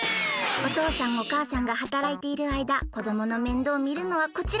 おとうさんおかあさんがはたらいているあいだこどものめんどうみるのはこちら！